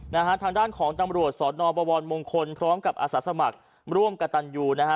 นะฮะทางด้านของตำรวจสอนอบวรมงคลพร้อมกับอาสาสมัครร่วมกับตันยูนะฮะ